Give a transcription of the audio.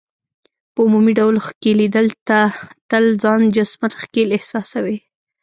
په عمومي ډول ښکیلېدل، ته تل ځان جسماً ښکېل احساسوې.